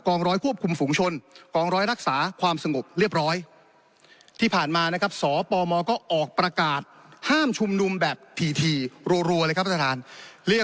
กองร้อยควบคุมฝุงชนกองร้อยรักษาความสงบเรียบร้อย